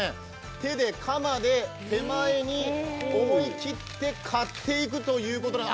手で、鎌で手前に思い切って刈っていくということで。